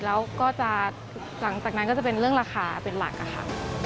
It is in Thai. แล้วก็จะหลังจากนั้นก็จะเป็นเรื่องราคาเป็นหลักค่ะ